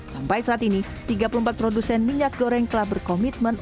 sampai saat ini tiga puluh empat produsen minyak goreng telah berkomitmen